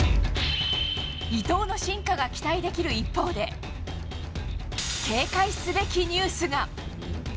伊東の進化が期待できる一方で、警戒すべきニュースが。